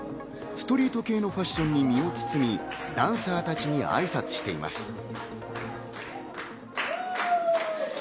ストリート系のファッションに身を包み、ダンサーたちに挨拶しています。